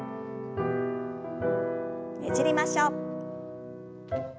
ねじりましょう。